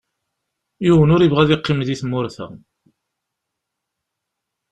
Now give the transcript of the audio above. Yiwen ur yebɣi ad yeqqim di tmurt-a.